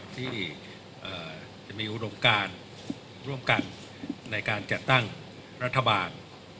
ที่มีอุดมการร่วมกันในการจัดตั้งรัฐบาล